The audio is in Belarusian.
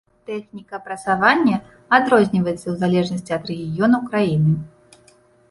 Тэхніка прасавання адрозніваецца ў залежнасці ад рэгіёну краіны.